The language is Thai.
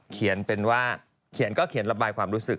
เขียนเป็นว่าเขียนก็เขียนระบายความรู้สึก